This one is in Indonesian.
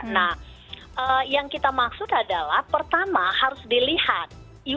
nah yang kita maksud adalah pertama harus dilihat